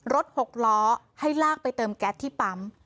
หกล้อให้ลากไปเติมแก๊สที่ปั๊ม